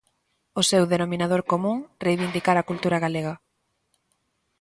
O seu denominador común, reivindicar a cultura galega.